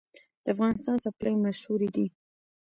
د افغانستان څپلۍ مشهورې دي